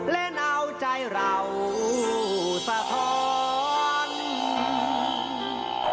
เล่นเอาใจเรา